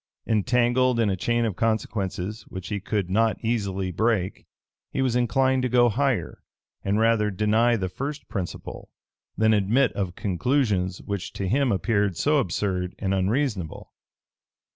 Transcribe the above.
Entangled in a chain of consequences which he could not easily break, he was inclined to go higher, and rather deny the first principle, than admit of conclusions which to him appeared so absurd and unreasonable.